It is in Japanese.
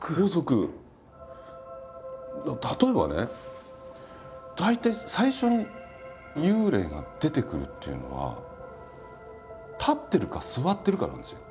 例えばね大抵最初に幽霊が出てくるっていうのは立ってるか座ってるかなんですよ。